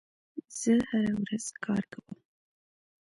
زه هره ورځ کار کوم.